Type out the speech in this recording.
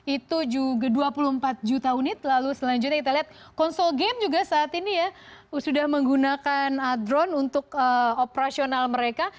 itu juga dua puluh empat juta unit lalu selanjutnya kita lihat konsol game juga saat ini ya sudah menggunakan drone untuk operasional mereka